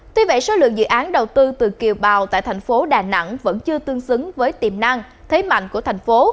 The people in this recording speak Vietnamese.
tuy vậy số lượng dự án đầu tư từ kiều bào tại thành phố đà nẵng vẫn chưa tương xứng với tiềm năng thế mạnh của thành phố